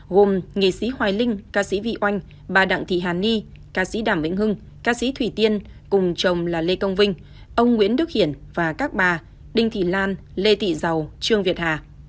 gồm nghệ sĩ hoài linh ca sĩ vị oanh bà đặng thị hàn ni ca sĩ đàm vĩnh hưng ca sĩ thủy tiên cùng chồng là lê công vinh ông nguyễn đức hiển và các bà đinh thị lan lê thị giàu trương việt hà